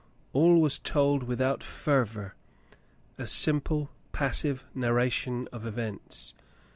All was told without fervor, — a simple passive narra tion of events.